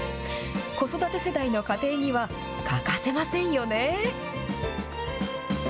子育て世代の家庭には欠かせませんよね。